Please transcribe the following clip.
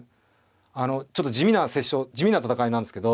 あのちょっと地味な折衝地味な戦いなんですけど。